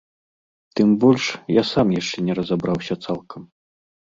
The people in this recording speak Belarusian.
Тым больш, я сам яшчэ не разабраўся цалкам.